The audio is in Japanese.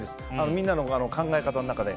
みんなの考え方の中で。